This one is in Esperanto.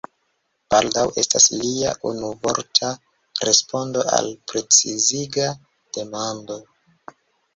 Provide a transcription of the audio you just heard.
“Baldaŭ” estas lia unuvorta respondo al preciziga demando.